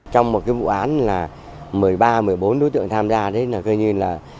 trong một vụ án một mươi ba một mươi bốn đối tượng tham gia